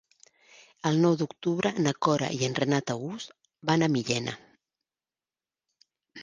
El nou d'octubre na Cora i en Renat August van a Millena.